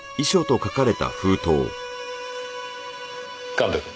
神戸君。